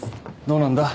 どうなんだ？